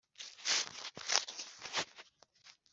Yaririmbye indirimbo atwita ibiryabarezi